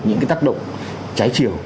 những cái tác động trái chiều